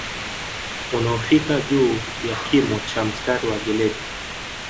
Unaofika juu ya kimo cha mstari wa jeledi